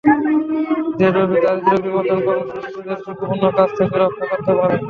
দেশব্যাপী দারিদ্র্য বিমোচন কর্মসূচি শিশুদের ঝুঁকিপূর্ণ কাজ থেকে রক্ষা করতে পারে।